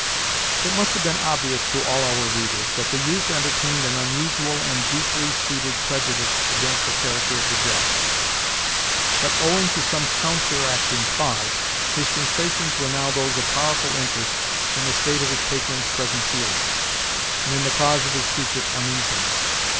It must have been obvious to all our readers, that the youth entertained an unusual and deeply seated prejudice against the character of the Judge; but owing to some counteracting cause, his sensations were now those of powerful interest in the state of his patron's present feelings, and in the cause of his secret uneasiness.